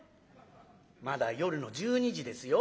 「まだ夜の１２時ですよ。